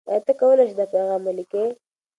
آیا ته کولای شې دا پیغام ولیکې؟